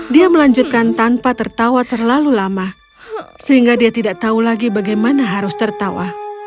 dia melanjutkan tanpa tertawa terlalu lama sehingga dia tidak tahu lagi bagaimana harus tertawa